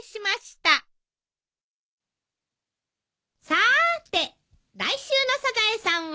さーて来週の『サザエさん』は？